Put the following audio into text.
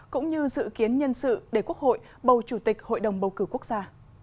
cũng như dự kiến nhân sự để quốc hội bầu chủ tịch hội đồng bầu cử quốc gia